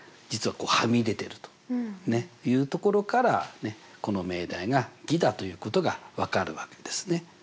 実ははみ出てるというところからこの命題が偽だということが分かるわけですね。